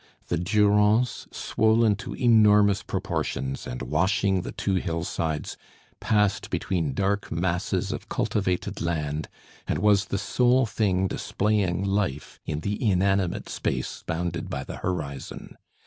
The Durance, swollen to enormous proportions and washing the two hillsides, passed between dark masses of cultivated land, and was the sole thing displaying life in the inanimate space bounded by the horizon.